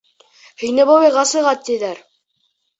Һине бабайға сыға, тиҙәр.